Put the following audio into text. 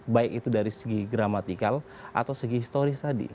baik itu dari segi gramatikal atau segi historis tadi